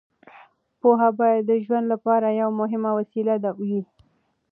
پوهه باید د ژوند لپاره یوه مهمه وسیله وي.